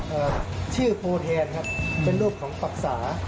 แต่ตัวนี้ชื่อโพแทนครับเป็นรูปของปักษา